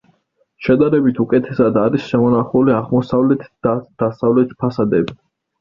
შედარებით უკეთესად არის შემონახული აღმოსავლეთ და დასავლეთ ფასადები.